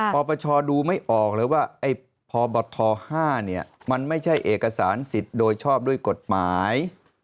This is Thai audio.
ปปชดูไม่ออกเลยว่าไอ้พบท๕มันไม่ใช่เอกสารสิทธิ์โดยชอบด้วยกฎหมาย